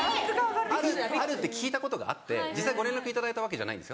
あるって聞いたことがあって実際ご連絡頂いたわけじゃない。